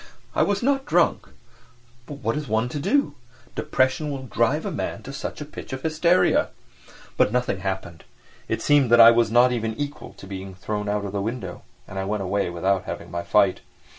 I was not drunk—but what is one to do—depression will drive a man to such a pitch of hysteria? But nothing happened. It seemed that I was not even equal to being thrown out of the window and I went away without having my fight.